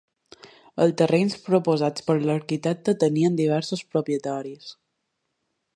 Els terrenys proposats per l'arquitecte tenien diversos propietaris.